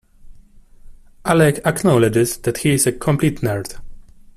Alec acknowledges that he is a complete nerd.